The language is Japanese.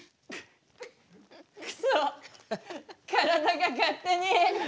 くそ体が勝手に。